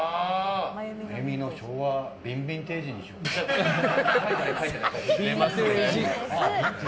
真由美の昭和ビンビンテージにしようよ。